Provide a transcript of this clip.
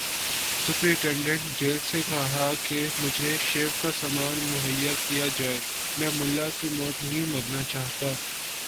Superintendent jail سے کہا کہ مجھے شیو کا سامان مہیا کیا جائے، میں ملا کی موت نہیں مرنا چاہتا۔